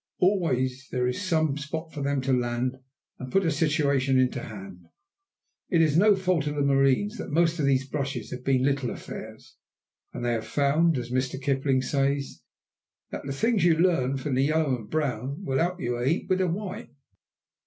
Always there is some spot for them to land and put a situation into hand. It is no fault of the marines that most of these brushes have been little affairs, and they have found, as Mr. Kipling says, that "the things that you learn from the yellow and brown will 'elp you a heap with the white."